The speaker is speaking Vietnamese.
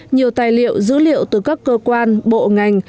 nhiều tài liệu dữ liệu từ các cơ quan bộ ngành